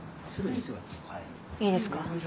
いいですか。